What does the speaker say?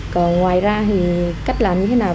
còn ngoài ra thì cách làm như thế nào